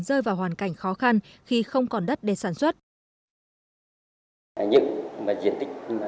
rơi vào hoàn cảnh khó khăn khi không còn đất để sản xuất